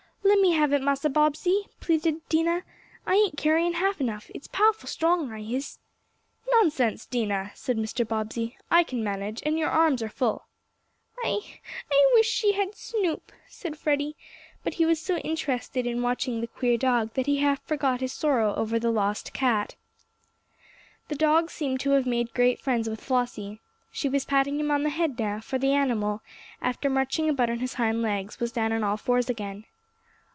"Lemme have it, Massa Bobbsey," pleaded Dinah. "I ain't carryin' half enough. I's pow'ful strong, I is." "Nonsense, Dinah!" said Mr. Bobbsey. "I can manage, and your arms are full." "I I wish she had Snoop," said Freddie, but he was so interested in watching the queer dog that he half forgot his sorrow over the lost cat. The dog seemed to have made great friends with Flossie. She was patting him on the head now, for the animal, after marching about on his hind legs, was down on all fours again.